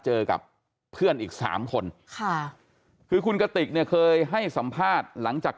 เจอกับเพื่อนอีกสามคนค่ะคือคุณกติกเนี่ยเคยให้สัมภาษณ์หลังจาก